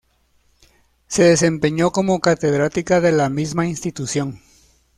Se desempeñó como catedrática de la misma institución.